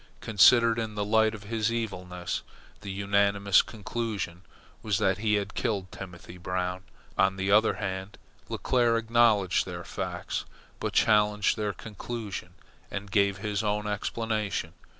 Considered in the light of his evilness, the unanimous conclusion was that he had killed Timothy Brown. On the other hand, Leclere acknowledged their facts, but challenged their conclusion, and gave his own explanation.